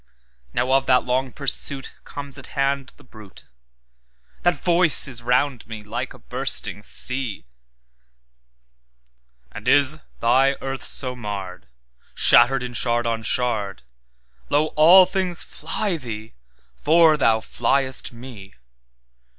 Now of that long pursuitComes on at hand the bruit; That Voice is round me like a bursting sea:'And is thy earth so marred, Shattered in shard on shard? Lo, all things fly thee, for thou fliest Me!